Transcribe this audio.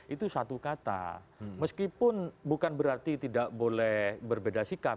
itu satu kata meskipun bukan berarti tidak boleh berbeda sikap